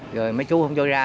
rồi mấy chú không cho ra